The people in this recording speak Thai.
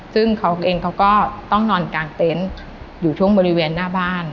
ซึ่งเขาเองเขาก็ต้องนอนกลางเต็นต์อยู่ช่วงบริเวณหน้าบ้าน